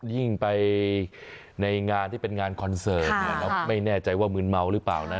ยิ่งไปในงานที่เป็นงานคอนเสิร์ตแล้วไม่แน่ใจว่ามืนเมาหรือเปล่านะ